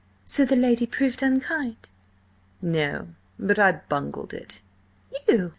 So the lady proved unkind?" "No. But I bungled it." "You?